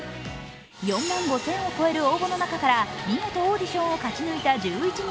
４万５０００を超える応募の中から見事オーディションを勝ち抜いた１１人。